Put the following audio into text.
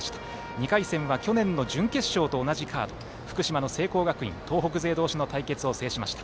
２回戦は去年の準決勝と同じカード福島の聖光学院東北勢同士の対決を制しました。